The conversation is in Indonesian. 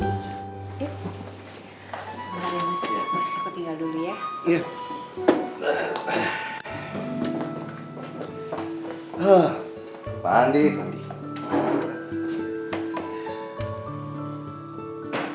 sebenarnya mas aku tinggal dulu ya